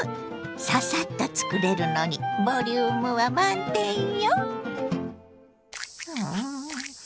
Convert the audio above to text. ササッと作れるのにボリュームは満点よ。